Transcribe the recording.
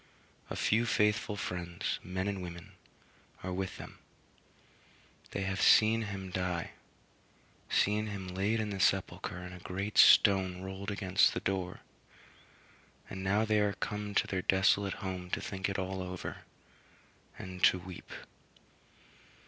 A few faithful friends, men and women, are with them; they have seen him die seen him laid in the sepulchre and a great stone rolled against the door; and now they are come to their desolate home to think it all over, and to weep.